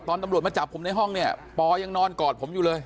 ตำรวจมาจับผมในห้องเนี่ยปอยังนอนกอดผมอยู่เลย